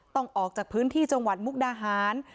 ออกจากพื้นที่จังหวัดมุกดาหาร